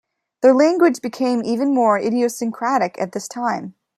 Their language became even more idiosyncratic at this time.